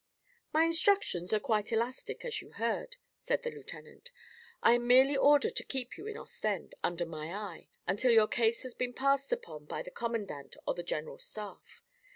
"My instructions are quite elastic, as you heard," said the lieutenant. "I am merely ordered to keep you in Ostend, under my eye, until your case has been passed upon by the commandant or the general staff.